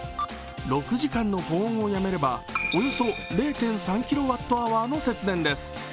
６時間の保温をやめればおよそ０．３キロワットアワーの節電です。